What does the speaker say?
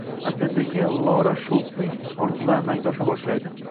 Asta-sekin Lora Shulsning orzulari amalga osha boshlaydi